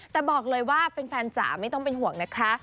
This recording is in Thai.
แต่บอกเลยว่าแฟนจ๋าไม่ต้องเป็นห่วงนะคะ